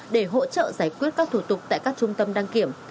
để hỗ trợ giải quyết các thủ tục tại các trung tâm đăng kiểm